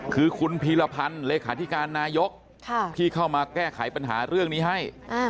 คือคุณพีรพันธ์เลขาธิการนายกที่เข้ามาแก้ไขปัญหาเรื่องนี้ให้